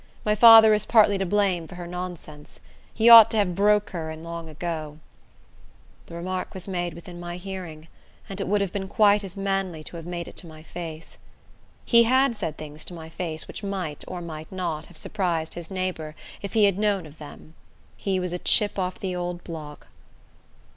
My father is partly to blame for her nonsense. He ought to have broke her in long ago." The remark was made within my hearing, and it would have been quite as manly to have made it to my face. He had said things to my face which might, or might not, have surprised his neighbor if he had known of them. He was "a chip of the old block."